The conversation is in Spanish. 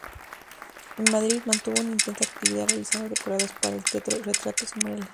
En Madrid mantuvo una intensa actividad realizando decorados para el teatro, retratos y murales.